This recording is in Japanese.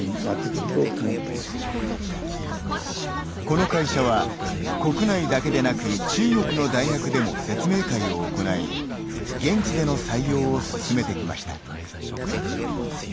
この会社は、国内だけでなく中国の大学でも説明会を行い現地での採用を進めてきました。